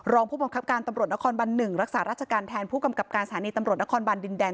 รองผู้บังคับการตำรวจนครบัน๑รักษาราชการแทนผู้กำกับการสถานีตำรวจนครบานดินแดง